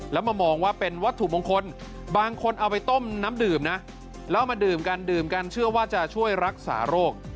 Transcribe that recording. แล้วมามองว่าเป็นวัตถุมงคลบางคนเอาไปต้มน้ำดื่มนะแล้วมาดื่มกันดื่มกันเชื่อว่าจะช่วยรักษาโรค